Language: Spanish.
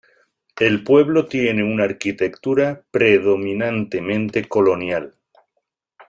El pueblo tiene una arquitectura predominantemente colonial.